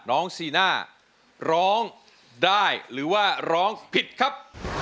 ซีน่าร้องได้หรือว่าร้องผิดครับ